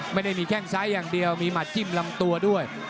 ไม่ได้มีแข้งซ้ายอย่างเดียวมีหัดจิ้มลำตัวด้วย